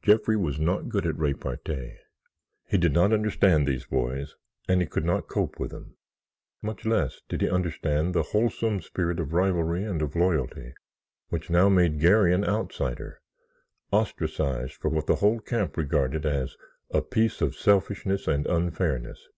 Jeffrey was not good at repartee; he did not understand these boys and he could not cope with them. Much less did he understand the wholesome spirit of rivalry and of loyalty which now made Garry an outsider—ostracized for what the whole camp regarded as a piece of selfishness and unfairness.